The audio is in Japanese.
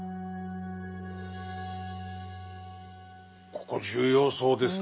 ここ重要そうですね。